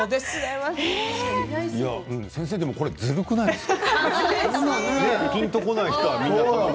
先生これずるくないですか。